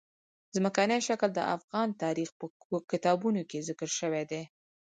ځمکنی شکل د افغان تاریخ په کتابونو کې ذکر شوی دي.